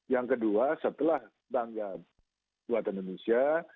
yang kedua setelah bangga buatan indonesia